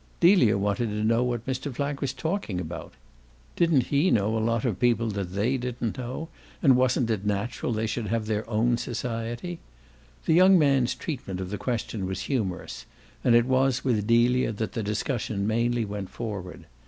Delia wanted to know what Mr. Flack was talking about: didn't he know a lot of people that they didn't know and wasn't it natural they should have their own society? The young man's treatment of the question was humorous, and it was with Delia that the discussion mainly went forward.